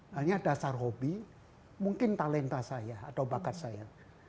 hanya dasar hobi mungkin talenta saya atau bakat saya